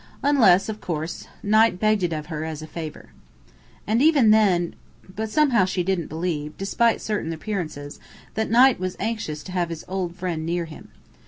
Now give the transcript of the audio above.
Unless, of course, Knight begged it of her as a favour. And even then but somehow she didn't believe, despite certain appearances, that Knight was anxious to have his old friend near him.